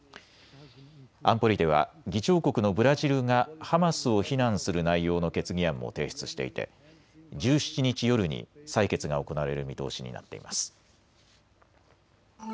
安保理では議長国のブラジルがハマスを非難する内容の決議案も提出していて１７日夜に採決が行われる見通しになっています。